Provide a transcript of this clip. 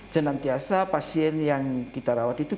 senantiasa pasien yang kita rawat itu